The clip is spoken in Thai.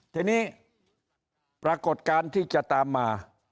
ทีนี้ปรากฏการณ์ที่จะตามมา